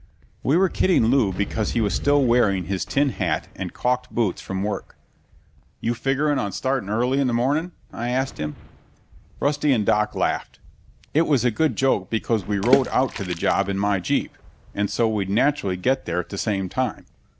We were kidding Lew because he was still wearing his tin hat and caulked boots from work. "You figuring on starting early in the morning?" I asked him. Rusty and Doc laughed. It was a good joke because we rode out to the job in my jeep, and so we'd naturally get there at the same time.